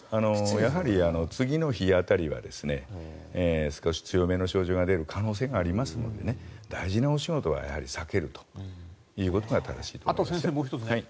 やはり次の日辺りは少し強めの症状が出る可能性がありますので大事なお仕事は避けることが大事になります。